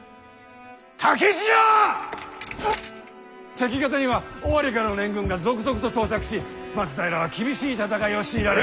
敵方には尾張からの援軍が続々と到着し松平は厳しい戦いを強いられ。